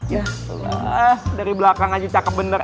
ya allah dari belakang aja cakep bener